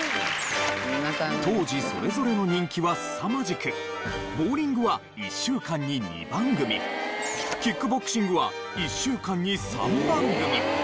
当時それぞれの人気はすさまじくボウリングは１週間に２番組キックボクシングは１週間に３番組。